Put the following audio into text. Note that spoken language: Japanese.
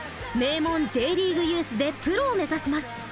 名門Ｊリーグユースでプロを目指します。